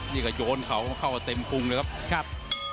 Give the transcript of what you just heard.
นี่ก็โยนเขาเข้าไปเต็มพุงเลยครับ